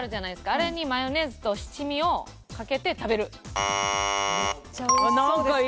あれにマヨネーズと七味をかけて食べる。